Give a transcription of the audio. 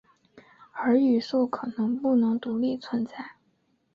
而语素可能不能独立存在。